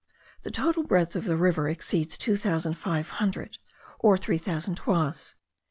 The total breadth of the river exceeds two thousand five hundred or three thousand toises.